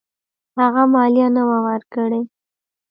هغه مالیه نه وه ورکړې.